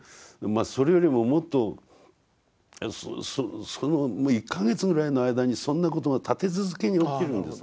それよりももっとその１か月ぐらいの間にそんなことが立て続けに起きるんです。